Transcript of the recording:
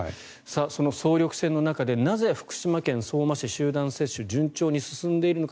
総力戦の中でなぜ福島県相馬市の集団接種が順調に進んでいるのか。